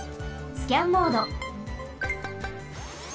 スキャンモード。